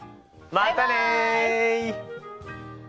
またね。